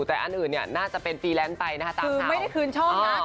ว่ามันเริ่มยังอยู่แต่อีกอันอื่นน่าจะต้องเป็นฟีแลนซ์ไปคือไม่ได้คืนช่องนะ